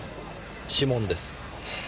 指紋です。